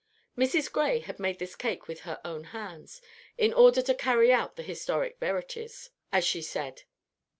Mrs. Gray had made this cake with her own hands, "in order to carry out the historic verities," as she said.